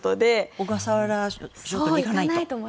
小笠原諸島に行かないと。